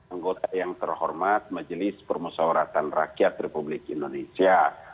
anggota yang terhormat majelis permusawaratan rakyat republik indonesia